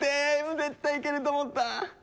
絶対いけると思った。